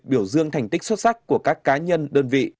biểu dương thành tích xuất sắc của các cá nhân đơn vị